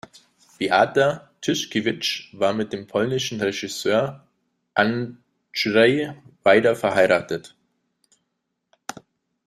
Beata Tyszkiewicz war mit dem polnischen Regisseur Andrzej Wajda verheiratet.